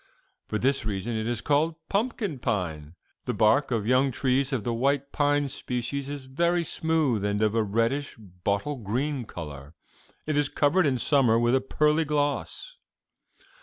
For this reason it is called 'pumpkin pine.' The bark of young trees of the white pine species is very smooth and of a reddish, bottle green color. It is covered in summer with a pearly gloss.